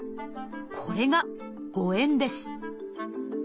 これが「誤えん」です